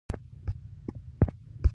دا شی باید بې ساری وي.